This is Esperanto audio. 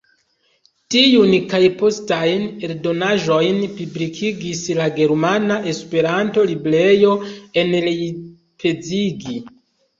Tiun kaj postajn eldonaĵojn publikigis la Germana Esperanto-Librejo en Leipzig.